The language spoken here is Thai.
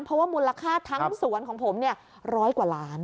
เพราะว่ามูลค่าทั้งสวนของผมร้อยกว่าล้าน